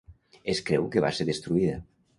Es creu que va ser destruïda.